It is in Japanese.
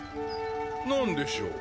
何でしょう？